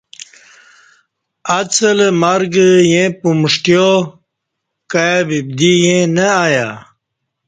اڅلہ مرگ ییں پمݜٹیا کائی ببدی ییں نہ آیہ